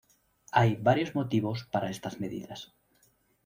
Hay varios motivos para estas medidas.